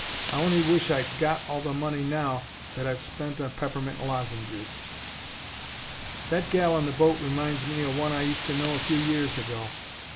I on'y wish I'd got all the money now that I've spent on peppermint lozenges. "That gal in the boat reminds me o' one I used to know a few years ago.